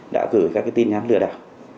đã gửi các tin nhắn lừa đảo